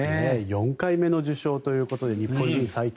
４回目の受賞ということで日本人最多。